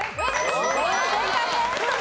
正解です。